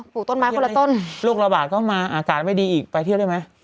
ลูกต้นไม้คนละต้นโรคระบาดก็มาอากาศไม่ดีอีกไปเที่ยวได้ไหม